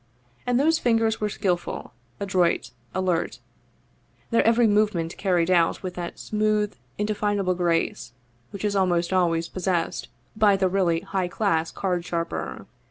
And those fingers were skillful, adroit, alert, their every movement carried out with that smooth, indefinable grace which is almost always pos sessed by the really high class card sharper.